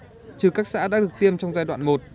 trừ các xã đã được tiêm trong giai đoạn một